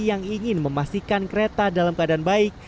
yang ingin memastikan kereta dalam keadaan baik